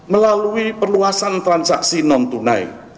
melalui perluasan transaksi non tunai